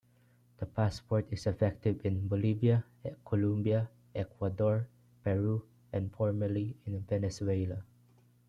The passport is effective in Bolivia, Colombia, Ecuador, Peru and formerly, in Venezuela.